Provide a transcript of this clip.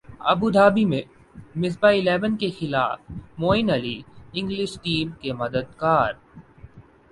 Abu Dhabi میں Misbah eleven کیخلاف Moeen Ali English team کے مددگار